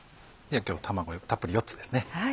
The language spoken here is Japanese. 今日卵たっぷり４つですね。